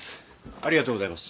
ありがとうございます。